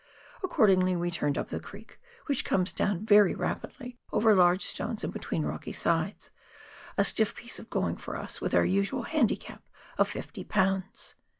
Accordingly we turned up the creek, which comes down very rapidly over large stones and between rocky sides — a stiff piece of going for us with our usual handicap of 50 lbs.